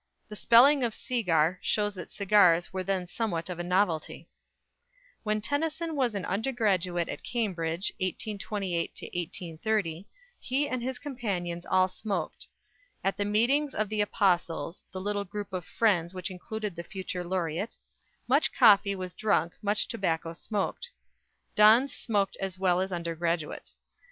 The spelling of "segar" shows that cigars were then somewhat of a novelty. When Tennyson was an undergraduate at Cambridge, 1828 30, he and his companions all smoked. At the meetings of the "Apostles" the little group of friends which included the future Laureate "much coffee was drunk, much tobacco smoked." Dons smoked as well as undergraduates.